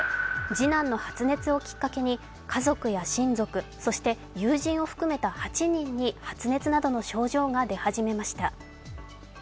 次男の発熱をきっかけに、家族や親族、そして友人を含めた８人に発熱などの症状が出始めました。